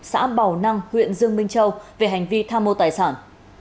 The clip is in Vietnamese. họ đã bảo năng huyện dương minh châu về hành vi tham mô tài sản